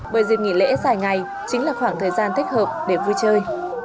bởi dịp nghỉ lễ dài ngày chính là khoảng thời gian thích hợp để vui chơi